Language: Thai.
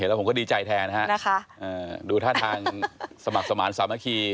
แล้วผมก็ดีใจแทนฮะนะคะดูท่าทางสมัครสมาธิสามัคคี